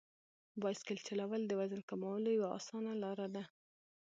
بایسکل چلول د وزن کمولو یوه اسانه لار ده.